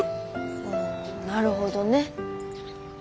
ほうなるほどね。